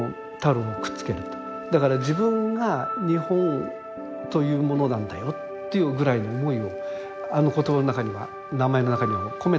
だから自分が日本というものなんだよっていうぐらいの思いをあの言葉の中には名前の中にも込めたんだろうと思うんですね。